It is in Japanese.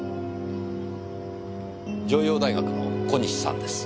城陽大学の小西さんです。